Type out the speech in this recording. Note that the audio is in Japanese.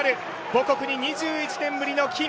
母国に２１年ぶりの金。